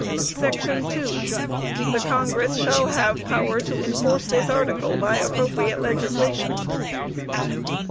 Section 2. "The Congress shall have power to enforce this article by appropriate legislation."